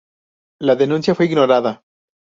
La denuncia fue ignorada.